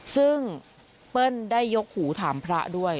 ซึ่งเปิ้ลได้ยกหูถามพระด้วย